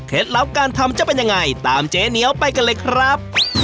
ลับการทำจะเป็นยังไงตามเจ๊เหนียวไปกันเลยครับ